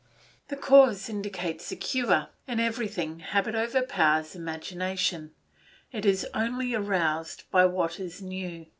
The cause indicates the cure. In everything habit overpowers imagination; it is only aroused by what is new.